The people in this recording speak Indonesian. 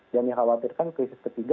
yang dikhawatirkan krisis ketiga